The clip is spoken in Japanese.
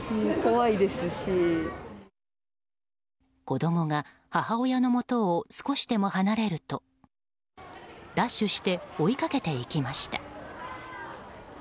子供が母親のもとを少しでも離れるとダッシュして追いかけていきました。